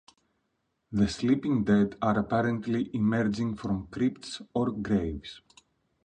The Sleeping Dead are apparently emerging from crypts or graves.